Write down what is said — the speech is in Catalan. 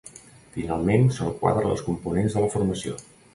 Finalment són quatre les components de la formació.